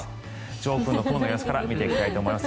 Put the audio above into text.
上空の雲の様子から見ていきたいと思います。